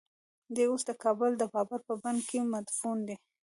دی اوس د کابل د بابر په بڼ کې مدفون دی.